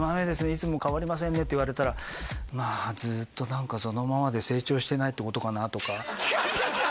いつも変わりませんね」って言われたらまあずっと何かそのままで成長してないってことかなとか違う違う違う！